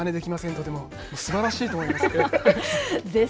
とてもすばらしいと思いますね。